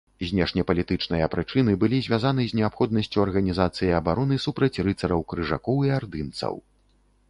Знешнепалітычныя прычыны былі звязаны з неабходнасцю арганізацыі абароны супраць рыцараў-крыжакоў і ардынцаў.